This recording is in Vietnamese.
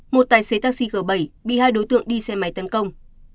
một tài xế taxi g bảy bị hai đối tượng đi xe máy tấn công